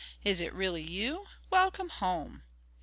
"Is it really you? Welcome home!"